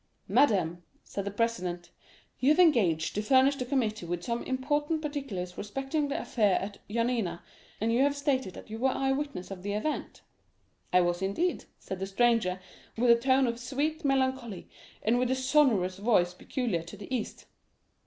"'Madame,' said the president, 'you have engaged to furnish the committee with some important particulars respecting the affair at Yanina, and you have stated that you were an eyewitness of the event.'—'I was, indeed,' said the stranger, with a tone of sweet melancholy, and with the sonorous voice peculiar to the East.